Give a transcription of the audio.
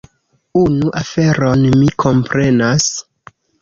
Unu aferon mi komprenas.